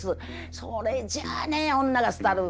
それじゃあね女が廃る。